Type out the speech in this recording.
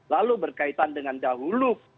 lalu berkaitan dengan dahulu